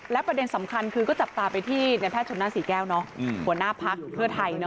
และประเด็นสำคัญคือก็จับตาไปที่ในแพทย์ชนหน้าศรีแก้วหัวหน้าพักเพื่อไทย